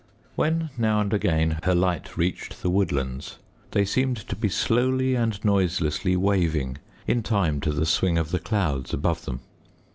When now and again her light reached the woodlands they seemed to be slowly and noiselessly waving in time to the swing of the clouds above them.